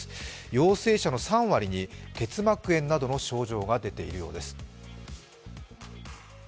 陽性者の３割に結膜炎などの症状が出ているようです。